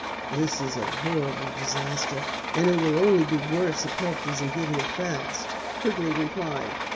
"This is a horrible disaster, and it will be worse if help doesn't get here fast," Quigley replied.